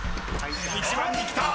１番に来た。